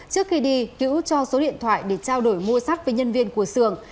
trước khi đi hữu cho số điện thoại để trao đổi mua sắt với nhân viên của xưởng